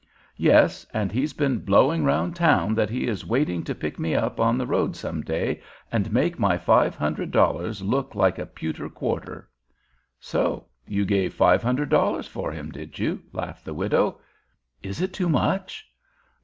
"Yes, and he's been blowing round town that he is waiting to pick me up on the road some day and make my five hundred dollars look like a pewter quarter." "So you gave five hundred dollars for him, did you?" laughed the widow. "Is it too much?"